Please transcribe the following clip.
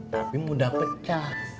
tapi mudah pecah